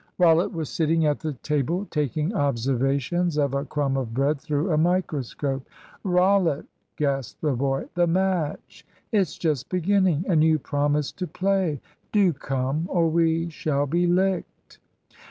Rollitt was sitting at the table taking observations of a crumb of bread through a microscope. "Rollitt," gasped the boy, "the match! It's just beginning, and you promised to play. Do come, or we shall be licked!"